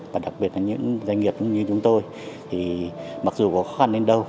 và đặc biệt là những doanh nghiệp như chúng tôi thì mặc dù có khó khăn đến đâu